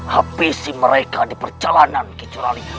habisi mereka di perjalanan kecelualan